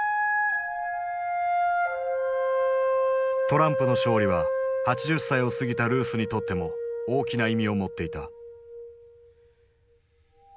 トランプの勝利は８０歳を過ぎたルースにとっても大きな意味を持っていた。